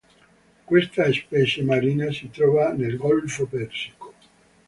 Questa specie marina si trova nel Golfo Persico.